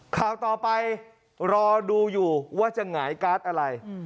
ข่าวต่อไปรอดูอยู่ว่าจะหงายการ์ดอะไร